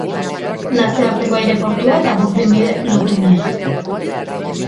Nazioarteko aireportua eta burdinbide lotunea.